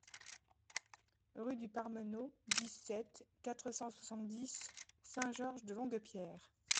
Rue du Parmeneau, dix-sept, quatre cent soixante-dix Saint-Georges-de-Longuepierre